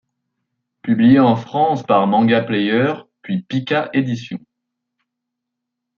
Publié en France par Manga Player puis Pika Édition.